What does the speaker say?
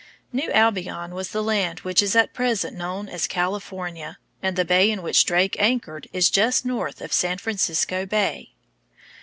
New Albion was the land which is at present known as California, and the bay in which Drake anchored is just north of San Francisco Bay.